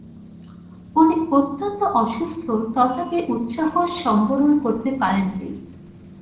উনি অত্যন্ত অসুস্থ, তথাপি উৎসাহ সম্বরণ করতে পারেন নি।